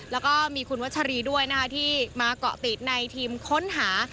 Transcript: แล้วก็มีคุณวัชรีด้วยนะคะที่มาเกาะติดในทีมค้นหา